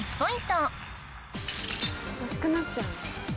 欲しくなっちゃう。